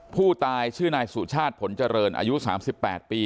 ผู้ตายชื่อนายสุชาติผลเจริญอายุสามสิบแปดปี